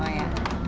ini yang udah